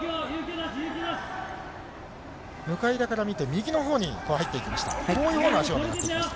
向田から見て、右のほうに入っていきました。